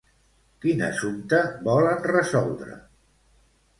Quin assumpte volen resoldre?